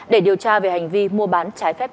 để điều tra về hành vi mua bán trái phép